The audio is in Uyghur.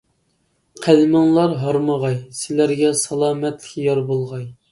قەلىمىڭلار ھارمىغاي، سىلەرگە سالامەتلىك يار بولغاي.